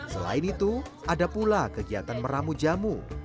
selain itu ada pula kegiatan meramu jamu